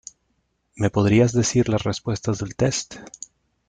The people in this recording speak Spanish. ¿Me podrías decir las respuestas del test?